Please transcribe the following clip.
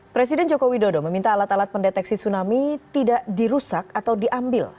presiden joko widodo meminta alat alat pendeteksi tsunami tidak dirusak atau diambil